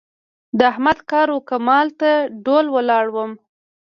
د احمد کار و کمال ته ډول ولاړم.